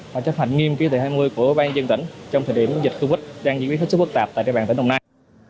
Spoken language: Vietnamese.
hoặc chấp hành nghiêm chỉ thị hai mươi của ban dân tỉnh trong thời điểm dịch covid đang diễn biến rất phức tạp tại địa bàn tỉnh đồng nai